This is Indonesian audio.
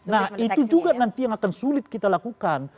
nah itu juga nanti yang akan sulit kita lakukan